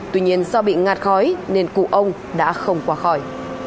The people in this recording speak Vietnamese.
tuy nhiên do bị ngạt khói nên cụ ông đã không qua khỏi